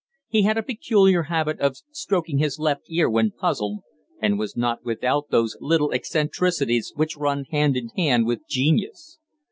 He had a peculiar habit of stroking his left ear when puzzled, and was not without those little eccentricities which run hand in hand with genius.